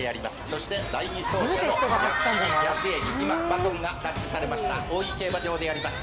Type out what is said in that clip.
そして第２走者の薬師寺保栄に今バトンがタッチされました大井競馬場であります